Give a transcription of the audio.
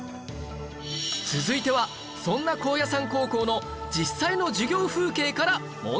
続いてはそんな高野山高校の実際の授業風景から問題